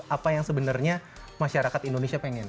apa yang sebenarnya masyarakat indonesia pengen